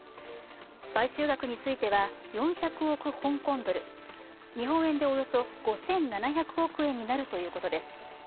買収額については４００億香港ドル、日本円でおよそ５７００億円になるということです。